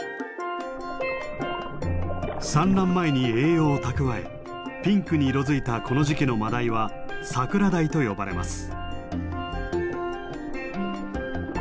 産卵前に栄養を蓄えピンクに色づいたこの時期のマダイはサクラダイと呼ばれます。